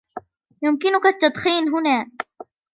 يمكنك التدخين هنا